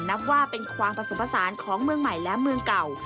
นับว่าเป็นความผสมผสานของเมืองใหม่และเมืองเก่า